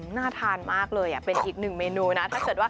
หน้าทานมากเลยอ่ะเป็นอีกหนึ่งเมนูนะ